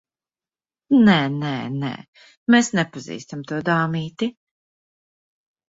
Nē, nē, nē. Mēs nepazīstam to dāmīti.